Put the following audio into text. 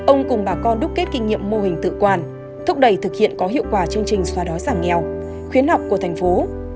ông cùng bà con đúc kết kinh nghiệm mô hình tự quản thúc đẩy thực hiện có hiệu quả chương trình xóa đói giảm nghèo khuyến học của thành phố